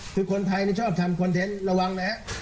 คือคนไทยชอบทำคอนเทนต์ระวังนะฮะ